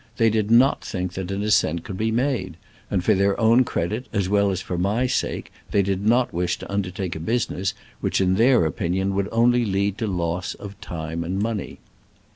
They did not think that an ascent could be made, and for their own credit, as well as for my sake, they did not wish to undertake a business which in their opinion would only lead to loss of time dnd money.